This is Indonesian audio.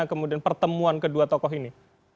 kemudian pertemuan kedua tokoh ini